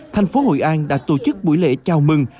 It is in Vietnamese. thành phố hội an đã tổ chức buổi lễ chào mừng